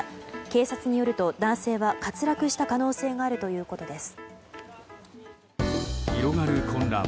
警察によると、男性は滑落した可能性があるということです。